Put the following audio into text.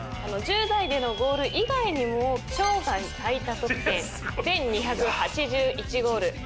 １０代でのゴール以外にも生涯最多得点１，２８１ゴール。